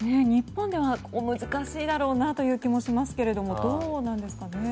日本では難しいだろうなという気がしますけどどうなんですかね。